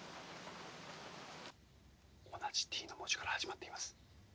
同じＤの文字から始まっています。